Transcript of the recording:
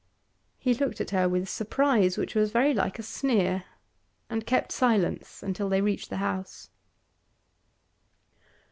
He looked at her with surprise which was very like a sneer, and kept silence till they reached the house.